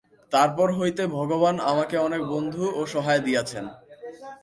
তারপর হইতে ভগবান আমাকে অনেক বন্ধু ও সহায় দিয়াছেন।